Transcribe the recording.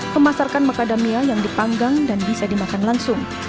memasarkan macadamia yang dipanggang dan bisa dimakan langsung